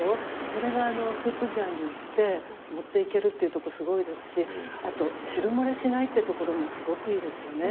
それがスープジャーによって持っていけるっていうところすごいですしあと汁漏れしないってところもすごくいいですよね。